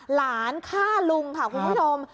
หลานฆ่าลุงค่ะคุณผู้ชม